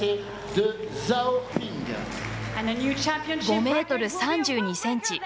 ５ｍ３２ｃｍ。